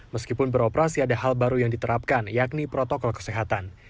meskipun beroperasi ada hal baru yang diterapkan yakni protokol kesehatan